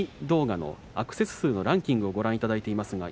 動画のアクセス数のランキングをご覧いただいています。